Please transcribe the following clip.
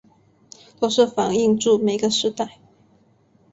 都是反映著每个时代